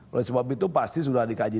oleh sebab itu pasti sudah dikaji